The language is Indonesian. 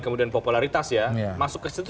kemudian popularitas ya masuk ke situ